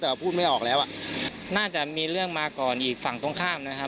แต่ว่าพูดไม่ออกแล้วอ่ะน่าจะมีเรื่องมาก่อนอีกฝั่งตรงข้ามนะครับ